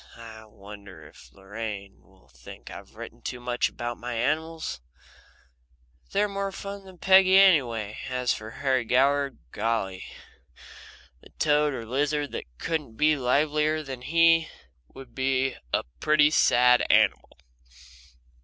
I wonder if Lorraine will think I've written too much about my animals? They're more fun than Peggy anyway, and as for Harry Goward golly! The toad or lizard that couldn't be livelier than he is would be a pretty sad animal.